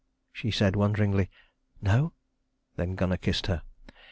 She said, wonderingly, "No." Then Gunnar kissed her.